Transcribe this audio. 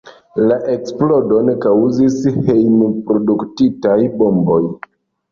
La eksplodon kaŭzis hejm-produktitaj bomboj.